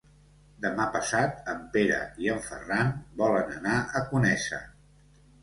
Demà passat en Pere i en Ferran volen anar a Conesa.